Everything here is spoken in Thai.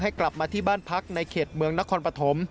กลับมาที่บ้านพักในเขตเมืองนครปฐม